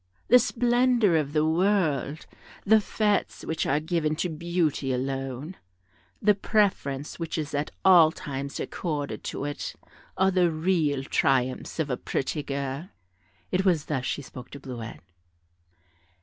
The splendour of the world, the fêtes which are given to beauty alone, the preference which is at all times accorded to it, are the real triumphs of a pretty girl;" it was thus she spoke to Bleuette.